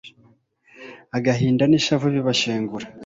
agahinda n'ishavu bibashengura